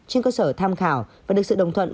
trên cơ sở tham khảo và được sự đồng thuận